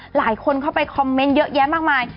หลายคนเข้าไปคอมเมนต์เยอะแยะมากมาย